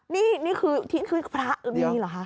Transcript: นี่นี่คือพระนี่หรอฮะ